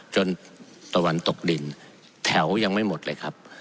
ตะวันตกดินแถวยังไม่หมดเลยครับ